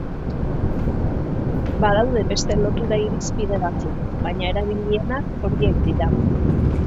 Badaude beste lotura irizpide batzuk, baina erabilienak horiek dira.